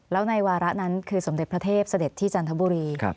แล้วในวาระนั้นคือสมเด็จพระเทพเสด็จที่จันทบุรี